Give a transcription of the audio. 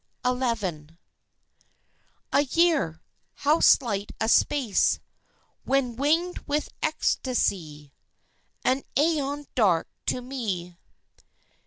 XI. A year! How slight a space When winged with ecstasy! (An æon dark to me.)